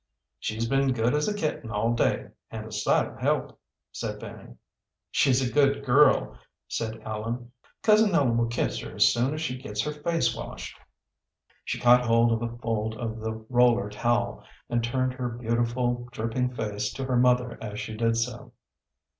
"She's been as good as a kitten all day, and a sight of help," said Fanny. "She's a good girl," said Ellen. "Cousin Ellen will kiss her as soon as she gets her face washed." She caught hold of a fold of the roller towel, and turned her beautiful, dripping face to her mother as she did so.